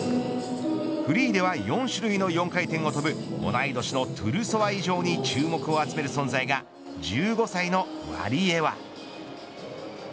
フリーでは４種類の４回転を跳ぶ、同い年のトゥルソワ以上に注目を集める存在が、１５歳のワリエワ。